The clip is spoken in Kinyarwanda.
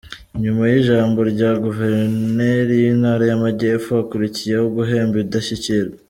Nyuma y’ijambo rya guverineri w’intara y’amajyepfo hakurikiyeho guhemba indashyikirwa.